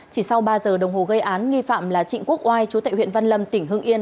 chỉ sau ba giờ đồng hồ gây án nghi phạm là trịnh quốc oai chú tại huyện văn lâm tỉnh hưng yên